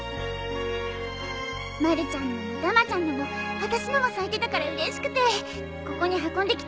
まるちゃんのもたまちゃんのも私のも咲いてたからうれしくてここに運んできたんだ。